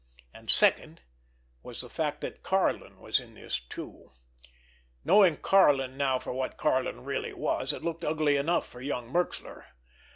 And, second, was the fact that Karlin was in this too. Knowing Karlin now for what Karlin really was, it looked ugly enough for young Merxler.